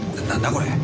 これ。